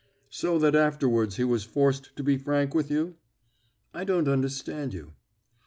"So that afterwards he was forced to be frank with you?" "I don't understand you."